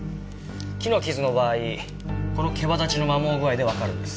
木の傷の場合この毛羽立ちの摩耗具合でわかるんです。